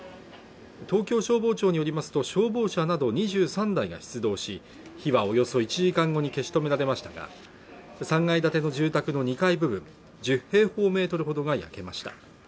東京消防庁によりますと消防車など２３台が出動し火はおよそ１時間後に消し止められましたが３階建ての住宅の２階部分１０平方メートルほどが焼けました